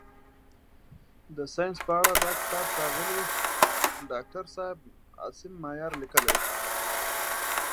د ساینس په اړه دا کتاب ښاغلي داکتر صاحب عاصم مایار لیکلی.